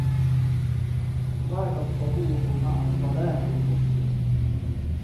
غاد الصبوح مع الصباح المسفر